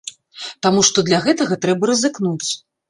Таму што для гэтага трэба рызыкнуць.